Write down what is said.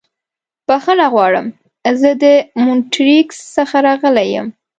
بښنه غواړم. زه د مونټریکس څخه راغلی یم.